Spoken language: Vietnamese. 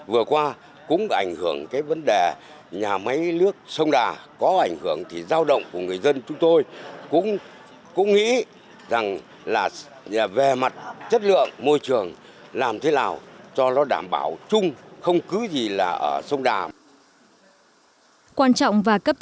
vừa qua cũng ảnh hưởng cái vấn đề nhà máy nước sông đà có ảnh hưởng thì giao động của người dân chúng tôi cũng nghĩ rằng là về mặt chất lượng môi trường làm thế nào cho nó đảm bảo chung không cứ gì là ở sông đà